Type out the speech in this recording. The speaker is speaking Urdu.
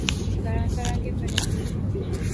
طرح طرح کے پرندے